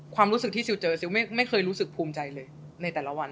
ความรู้สึกที่ซิลเจอซิลไม่เคยรู้สึกภูมิใจเลยในแต่ละวัน